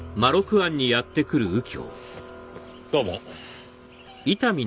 どうも。